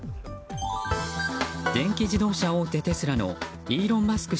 電気自動車大手テスラのイーロン・マスク